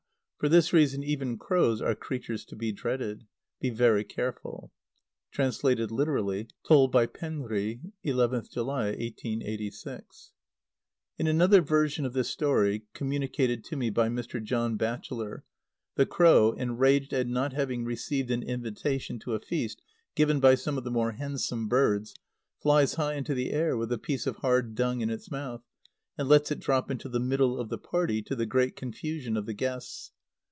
kā!" For this reason, even crows are creatures to be dreaded. Be very careful! (Translated literally. Told by Penri, 11th July, 1886.) [In another version of this story, communicated to me by Mr John Batchelor, the crow, enraged at not having received an invitation to a feast given by some of the more handsome birds, flies high into the air with a piece of hard dung in its mouth, and lets it drop into the middle of the party, to the great confusion of the guests.